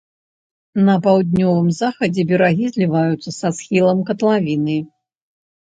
На паўднёвым захадзе берагі зліваюцца са схіламі катлавіны.